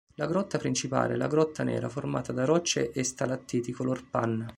La grotta principale è la Grotta Nera formata da rocce e stalattiti color panna.